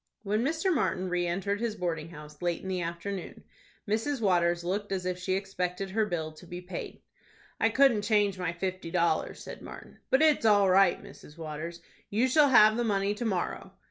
When Mr. Martin re entered his boarding house late in the afternoon, Mrs. Waters looked as if she expected her bill to be paid. "I couldn't change my fifty dollars," said Martin; "but it's all right, Mrs. Waters. You shall have the money to morrow."